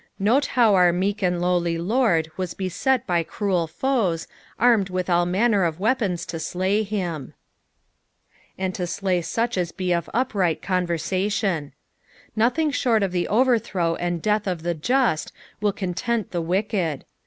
Note how our meek and lowly Lord was beset by cruel foes, armed with all manner of weapons to slay him. " And to tlay tuch at be of upright eomertalion.." Nothing short of the overthrow and death of the just will content the wicked.